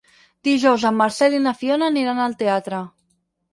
Dijous en Marcel i na Fiona aniran al teatre.